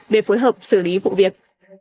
để phối hợp xử lý vụ việc